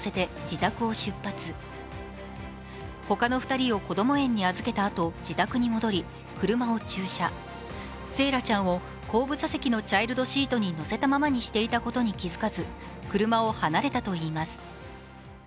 自宅を出発、ほかの２人をこども園に預けたあと自宅に戻り惺愛ちゃんを後部座席のチャイルドシートに乗せたままにしているのに気付かず車を離れたといいます。